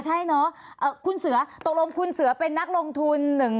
ใช่เนาะคุณเสือตกลงคุณเสือเป็นนักลงทุน